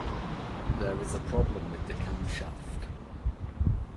There is a problem with the camshaft.